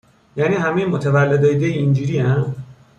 یعنی همه متولدای دی اینجورین؟